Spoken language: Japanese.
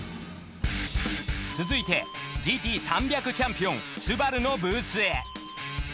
続いてＧＴ３００チャンピオンスバルのブースへ。